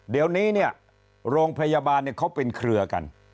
เดี๋ยวนี้เนี่ยโรงพยาบาลเขาเป็นเครือกัน